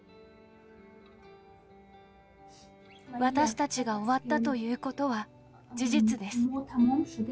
私たちが終わったということは事実です。